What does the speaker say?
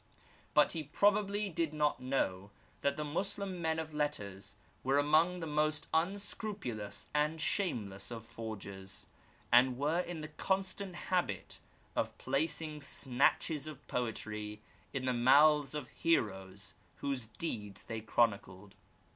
But he probably did not know that the Moslem men of letters were among the most unscrupulous and shameless of forgers, and were in the constant habit of placing snatches of poetry in the mouths of the heroes whose deeds they chronicled.